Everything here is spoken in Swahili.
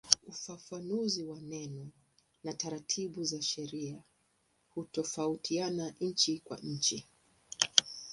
Ufafanuzi wa neno na taratibu za sheria hutofautiana nchi kwa nchi.